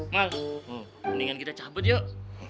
malu mendingan kita cabut yuk